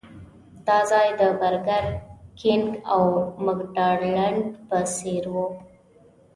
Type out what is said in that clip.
دا ځای د برګر کېنګ او مکډانلډ په څېر و.